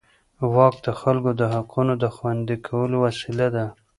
واک د خلکو د حقونو د خوندي کولو وسیله ده.